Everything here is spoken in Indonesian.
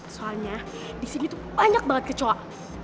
soalnya di sini tuh banyak banget kecoa